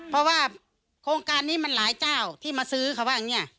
เพราะว่าโครงการนี้มันหลายเจ้าที่มาซื้อเขาว่าอย่างนี้